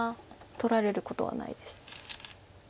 取られることはないです。